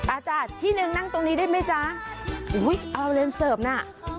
อาจารย์ที่หนึ่งนั่งตรงนี้ได้ไหมจ๊ะอุ้ยเอาเลนเสิร์ฟน่ะ